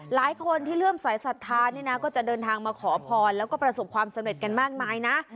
หลายคนที่เริ่มสายศรัทธานี่นะก็จะเดินทางมาขอพรแล้วก็ประสบความสำเร็จกันมากมายนะ